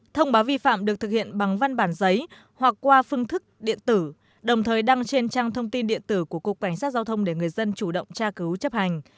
thông báo vi phạm được thực hiện bằng văn bản giấy hoặc qua phương thức điện tử đồng thời đăng trên trang thông tin điện tử của cục cảnh sát giao thông để người dân chủ động tra cứu chấp hành